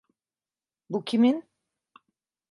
Bu kimin?